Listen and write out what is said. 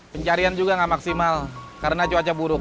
pencarian juga nggak maksimal karena cuaca buruk